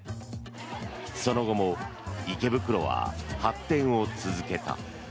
その後も池袋は発展を続けた。